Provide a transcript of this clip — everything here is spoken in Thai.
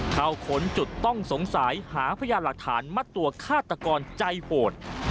ขนจุดต้องสงสัยหาพยานหลักฐานมัดตัวฆาตกรใจโหด